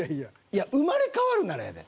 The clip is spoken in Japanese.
いや生まれ変わるならやで。